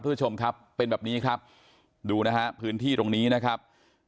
คุณผู้ชมครับเป็นแบบนี้ครับดูนะฮะพื้นที่ตรงนี้นะครับ